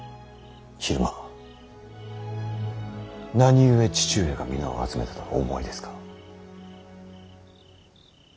昼間何故父上が皆を集めたとお思いですか。